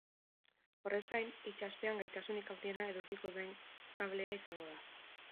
Horrez gain, itsaspean gaitasunik handiena edukiko duen kablea izango da.